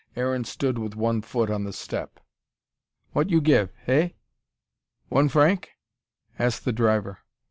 Aaron stood with one foot on the step. "What you give he? One franc?" asked the driver.